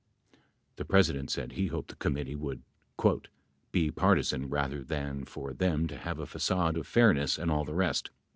... [p. 93.] The President said he hoped the committee would "be partisan rather than for them to have a facade of fairness and all the rest."